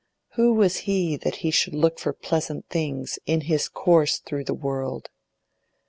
Who was he that he should look for pleasant things in his course through the world?